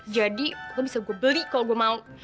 jadi lo bisa gue beli kalau gue mau